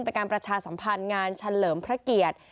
เป็นการประชาสัมพันธ์งานเฉลิมพระเกียรติ